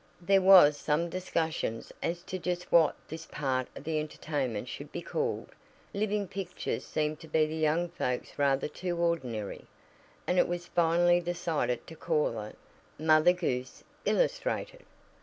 There was some discussion as to just what this part of the entertainment should be called. Living pictures seemed to the young folks rather too ordinary, and it was finally decided to call it "Mother Goose illustrated."